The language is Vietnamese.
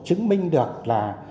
chứng minh được là